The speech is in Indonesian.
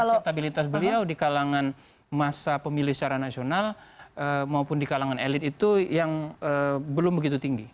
akseptabilitas beliau di kalangan masa pemilih secara nasional maupun di kalangan elit itu yang belum begitu tinggi